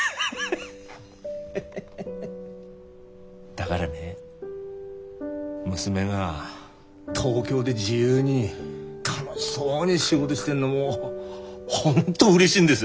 だがらね娘が東京で自由に楽しそうに仕事してんのもう本当うれしいんです。